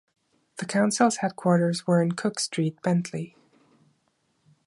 The council's headquarters were in Cooke Street, Bentley.